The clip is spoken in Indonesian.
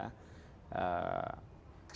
sehingga kami harus berpikir